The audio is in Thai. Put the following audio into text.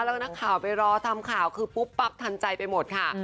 แล้วนักข่าวไปรอทำข่าวคือปุ๊บปั๊บทันใจไปหมดค่ะ